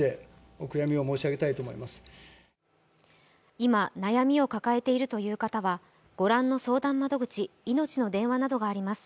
今、悩みを抱えているという方はご覧の相談窓口、いのちの電話などがあります。